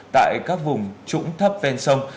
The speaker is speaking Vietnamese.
tại các vùng trũng thấp ven sông